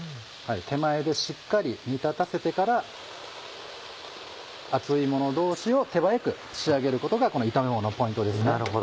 手前でしっかり煮立たせてから熱いもの同士を手早く仕上げることがこの炒めもののポイントですね。